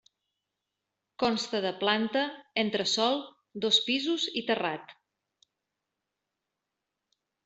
Consta de planta, entresòl, dos pisos i terrat.